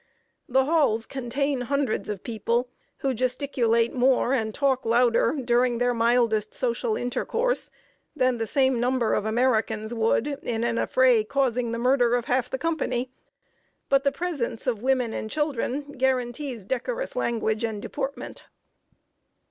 The halls contain hundreds of people, who gesticulate more and talk louder during their mildest social intercourse than the same number of Americans would in an affray causing the murder of half the company; but the presence of women and children guarantees decorous language and deportment.